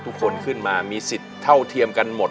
ทุกคนขึ้นมามีสิทธิ์เท่าเทียมกันหมด